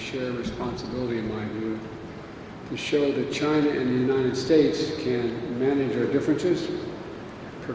saya berpikir untuk menunjukkan bahwa china dan amerika serikat bisa menguruskan perbedaan kita